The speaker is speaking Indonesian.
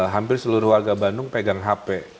hampir seluruh warga bandung pegang hp